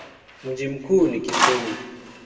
Mji mkuu ni Kisumu.